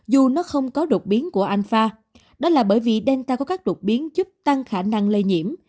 dù nó không có đột biến của alfa đó là bởi vì delta có các đột biến giúp tăng khả năng lây nhiễm